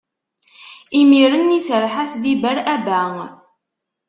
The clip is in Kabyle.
Imiren iserreḥ-asen-d i Bar Aba.